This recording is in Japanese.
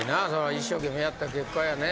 一生懸命やった結果やね。